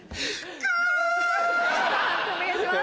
判定お願いします。